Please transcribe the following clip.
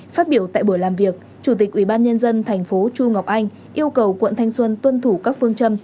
phát biểu tại buổi làm việc chủ tịch ubnd tp chu ngọc anh yêu cầu quận thanh xuân tuân thủ các phương châm